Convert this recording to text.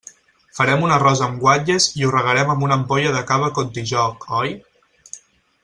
Farem un arròs amb guatlles i ho regarem amb una ampolla de cava Contijoch, oi?